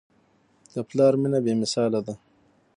د پلار مینه بېمثاله ده.